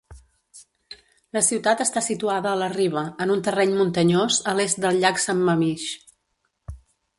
La ciutat està situada a la riba, en un terreny muntanyós a l'est del llac Sammamish.